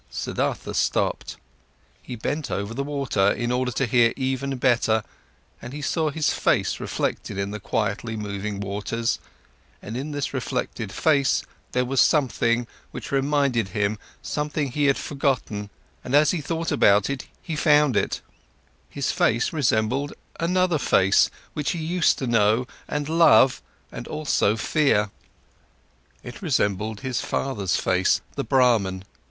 Siddhartha stopped, he bent over the water, in order to hear even better, and he saw his face reflected in the quietly moving waters, and in this reflected face there was something, which reminded him, something he had forgotten, and as he thought about it, he found it: this face resembled another face, which he used to know and love and also fear. It resembled his father's face, the Brahman.